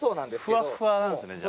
ふわっふわなんですね。